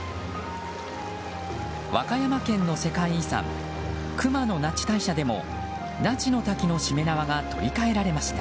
和歌山県の世界遺産熊野那智大社でも那智の滝のしめ縄が取り換えられました。